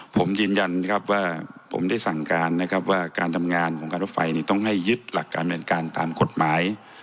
ผมยืนยันนะครับว่าผมได้สั่งการนะครับว่าการทำงานของการรถไฟต้องให้ยึดหลักการบริเวณการตามกฎหมาย